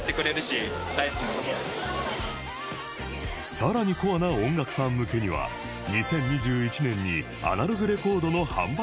さらにコアな音楽ファン向けには２０２１年にアナログレコードの販売フロアを開設